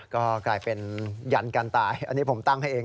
ก็กลายเป็นยันการตายอันนี้ผมตั้งให้เอง